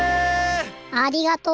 ありがとう！